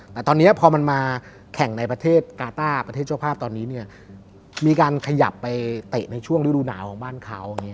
แต่ตอนนี้พอมันมาแข่งในประเทศกาต้าประเทศเจ้าภาพตอนนี้เนี่ยมีการขยับไปเตะในช่วงฤดูหนาวของบ้านเขา